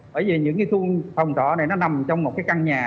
bởi vì những khu phòng trọ này nó nằm trong một căn nhà